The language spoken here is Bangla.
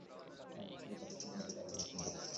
এক বার শুধু ট্রাফিক সিগনালে গাড়ি অনেকক্ষণ দাঁড়িয়ে রইল।